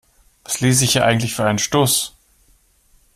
Was lese ich hier eigentlich für einen Stuss?